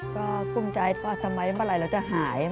ก็คุ้มใจว่าสมัยเมื่อไหร่เราจะหาย